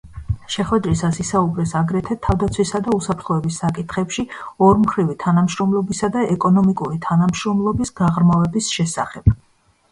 შეხვედრისას ისაუბრეს აგრეთვე, თავდაცვისა და უსაფრთხოების საკითხებში ორმხრივი თანამშრომლობისა და ეკონომიკური თანამშრომლობის გაღრმავების შესახებ.